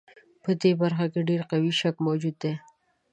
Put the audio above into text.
په دې برخه کې ډېر قوي شک موجود دی.